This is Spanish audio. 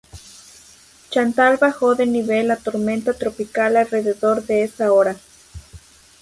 Chantal bajó de nivel a tormenta tropical alrededor de esa hora.